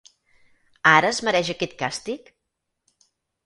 Ara es mereix aquest càstig?